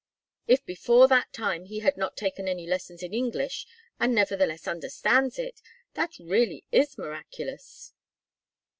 "If before that time he had not taken any lessons in English and nevertheless understands it, that really is miraculous."